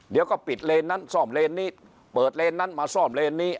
เดี๋ยวก็ปิดเลนนั้นซ่อมเลนนี้เปิดเลนนั้นมาซ่อมเลนนี้